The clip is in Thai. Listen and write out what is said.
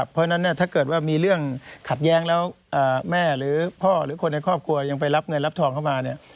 เพราะฉะนั้นถ้าเกิดว่ามีเรื่องขัดแย้งแล้วแม่หรือพ่อหรือคนในครอบครัวยังไปรับเงินรับทองเข้ามาเนี่ย